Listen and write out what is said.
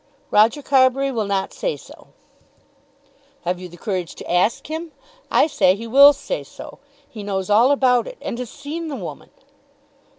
"Roger Carbury will not say so?" "Have you the courage to ask him? I say he will say so. He knows all about it, and has seen the woman."